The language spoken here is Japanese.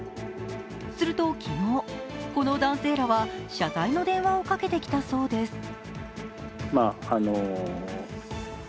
すると昨日、この男性らは謝罪の電話をかけてきたそうです。